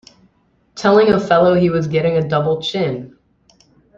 Telling a fellow he was getting a double chin!